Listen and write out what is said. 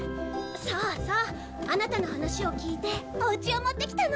そうそうアナタの話を聞いておうちを持ってきたの。